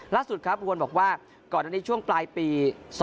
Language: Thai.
ล่าสุดครับฮวนบอกว่าก่อนในช่วงปลายปี